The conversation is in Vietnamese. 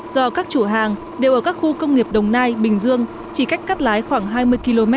do các chủ hàng đều ở các khu công nghiệp đồng nai bình dương chỉ cách cắt lái khoảng hai mươi km